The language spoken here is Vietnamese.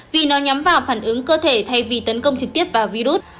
vì nó nhắm vào phản ứng cơ thể thay vì tấn công trực tiếp vào virus